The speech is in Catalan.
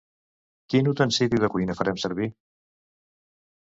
Quin utensili de cuina farem servir?